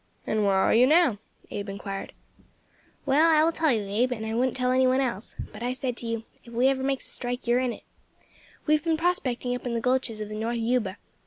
"And where are you now?" Abe inquired. "Well, I will tell you, Abe, and I wouldn't tell any one else; but I said to you, 'If we ever makes a strike you are in it.' We have been prospecting up in the gulches of the North Yuba.